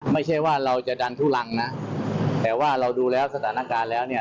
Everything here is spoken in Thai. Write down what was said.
ไม่ใช่ว่าเราจะดันทุลังนะแต่ว่าเราดูแล้วสถานการณ์แล้วเนี่ย